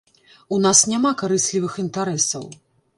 У нас няма карыслівых інтарэсаў.